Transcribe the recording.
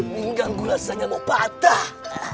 pinggangku rasanya mau patah